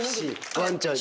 ワンちゃんに。